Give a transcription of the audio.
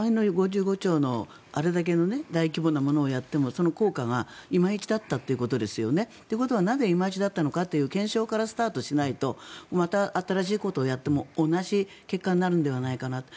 ５５兆のあれだけの大規模なものをやってもその効果がいまいちだったということですよね。ということはなぜいまいちだったのかという検証からスタートしないとまた新しいことをやっても同じ結果になるのではないかと。